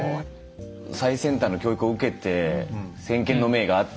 最先端の教育を受けて先見の明があって。